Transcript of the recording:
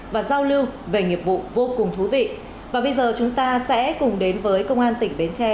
và giao lưu về nghiệp vụ vô cùng thú vị và bây giờ chúng ta sẽ cùng đến với công an tỉnh bến tre